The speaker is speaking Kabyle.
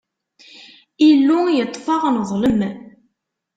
Illu yeṭṭef-aɣ, neḍlem.